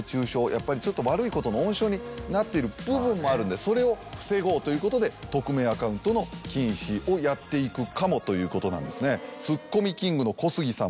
やっぱりちょっと悪いことの温床になっている部分もあるんでそれを防ごうということで匿名アカウントの禁止をやっていくかもということなんですね。